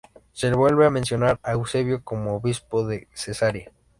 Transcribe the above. Se vuelve a mencionar a Eusebio como obispo de Cesarea.